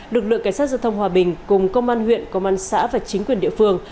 lực lượng cảnh sát giao thông hòa bình cùng công an huyện công an xã và chính quyền địa phương